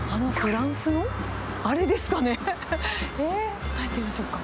ちょっと入ってみましょうか。